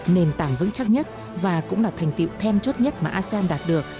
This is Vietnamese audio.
nền tảng vững chắc nhất và cũng là thành tiệu then chốt nhất mà asean đạt được